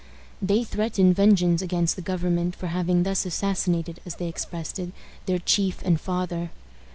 They threatened vengeance against the government for having thus assassinated, as they expressed it, their chief and father.